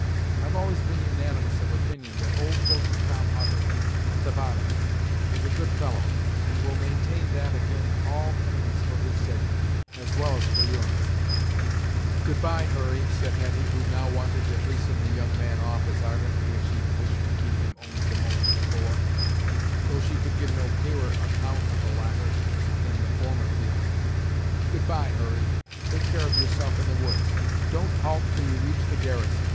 I've always been unanimous of opinion that Old Floating Tom Hutter, at the bottom, was a good fellow, and will maintain that ag'in all inimies for his sake, as well as for your'n." "Goodbye, Hurry," said Hetty, who now wanted to hasten the young man off, as ardently as she had wished to keep him only the moment before, though she could give no clearer account of the latter than of the former feeling; "goodbye, Hurry; take care of yourself in the woods; don't halt 'til you reach the garrison.